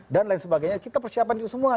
dan lain sebagainya kita persiapkan itu semua